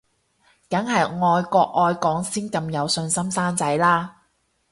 梗係愛國愛港先咁有信心生仔啦